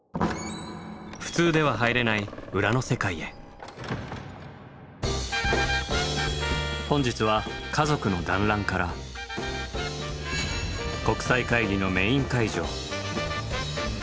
普通では入れない本日は家族の団らんから国際会議のメイン会場。